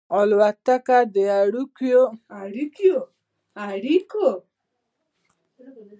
الوتکه د اړیکو پراختیا لامل ده.